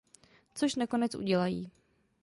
Což nakonec udělají.